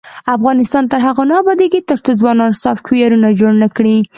افغانستان تر هغو نه ابادیږي، ترڅو ځوانان سافټویرونه جوړ نکړي.